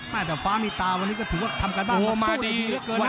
แต่ฟ้ามีตาวันนี้ก็ถือว่าทำการบ้านออกมาดีเหลือเกิน